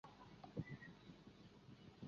湖北财经学院工业经济专业毕业。